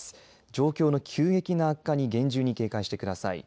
状況の急激な悪化に厳重に警戒してください。